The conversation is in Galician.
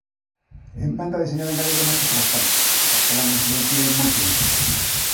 En banda deseñada en galego nótase bastante, en castelán a incidencia é moito menos.